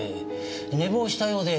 寝坊したようで。